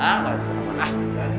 gak ada yang ngaruh